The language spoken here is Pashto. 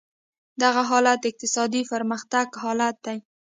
دغه حالت د اقتصادي پرمختیا حالت دی.